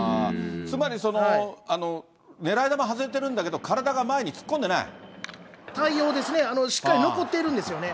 つまり、狙い球外れてるんだけれども、体が前に突っ込んでな対応ですね、しっかり残ってるんですよね。